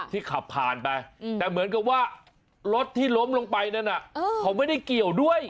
ขับผ่านไปแต่เหมือนกับว่ารถที่ล้มลงไปนั่นน่ะเขาไม่ได้เกี่ยวด้วย